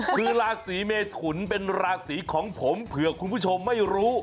คือราศีเมทุนเป็นราศีของผมเผื่อคุณผู้ชมไม่รู้